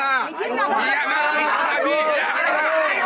ya ya menunggulah